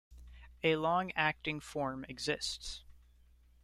A long acting form exists.